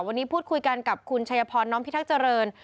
วันนี้พูดคุยกันกับคุณชัยพรน้อมพิทักษ์เจริญ